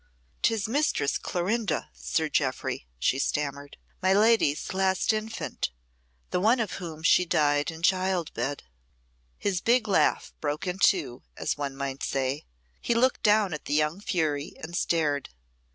"'Tis Mistress Clorinda, Sir Jeoffry," she stammered "my lady's last infant the one of whom she died in childbed." His big laugh broke in two, as one might say. He looked down at the young fury and stared.